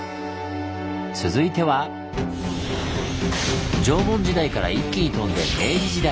続いては！縄文時代から一気に飛んで明治時代。